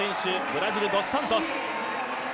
ブラジル、ドス・サントス。